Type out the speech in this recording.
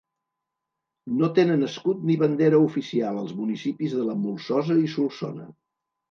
No tenen escut ni bandera oficial els municipis de la Molsosa i Solsona.